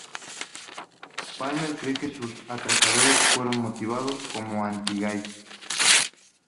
Palmer cree que sus atracadores fueron motivados como anti-gay.